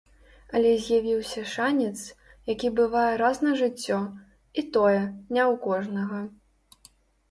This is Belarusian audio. Але з'явіўся шанец, які бывае раз на жыццё, і тое, не ў кожнага.